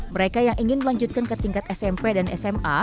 mereka yang ingin melanjutkan ke tingkat smp dan sma